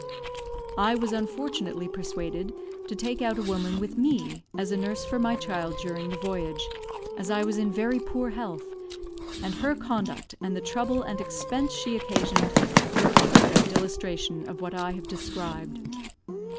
I was unfortunately persuaded to take out a woman with me as a nurse for my child during the voyage, as I was in very poor health; and her conduct, and the trouble and expense she occasioned, were a perfect illustration of what I have described.